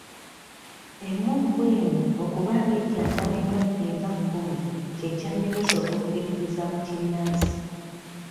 Emmumbwa emu okuba ng'ejjanjaba endwadde nga kkumi kye kyannemesa okukkiririza mu kinnansi.